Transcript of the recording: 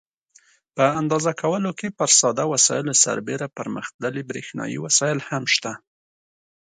په اندازه کولو کې پر ساده وسایلو سربیره پرمختللي برېښنایي وسایل هم شته.